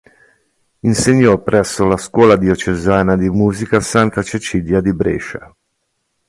Insegnò presso la Scuola Diocesana di musica "Santa Cecilia" di Brescia.